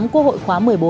quốc hội khóa một mươi bốn